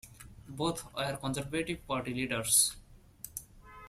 Both were Conservative Party leaders.